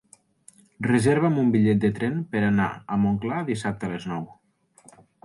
Reserva'm un bitllet de tren per anar a Montclar dissabte a les nou.